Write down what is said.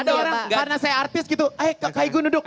ada orang karena saya artis gitu eh kak igu duduk